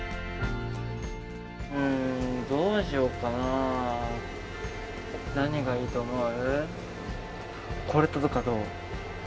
うん、どうしようかな何がいいと思う？